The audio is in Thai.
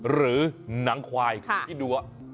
หรือหนังควายที่ดู